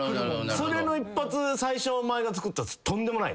それの一発最初お前がつくったらとんでもないで。